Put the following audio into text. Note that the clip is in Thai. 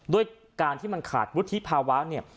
ด้วยการที่มันขาดวุฒิภาวะเนี่ย